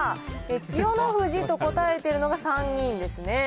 千代の富士と答えているのが３人ですね。